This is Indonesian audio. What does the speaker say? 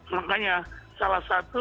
makanya salah satu